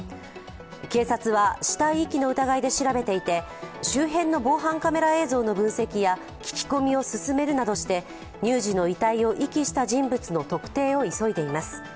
警察は死体遺棄の疑いで調べていて、周辺の防犯カメラ映像の分析や聞き込みを進めるなどして乳児の遺体を遺棄した人物の特定を急いでいます。